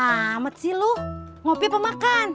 selamat sih lo ngopi pemakan